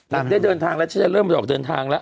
ฉันได้เดินทางแล้วฉันจะเริ่มออกเดินทางแล้ว